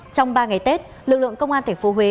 trong ba ngày tết lực lượng công an thành phố huế